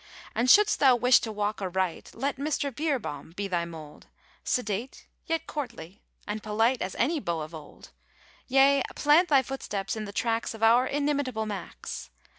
And should'st thou wish to walk aright, Let Mr. Beerbohm be thy mould; Sedate yet courtly, and polite As any beau of old; Yea, plant thy footsteps in the tracks Of our inimitable Max!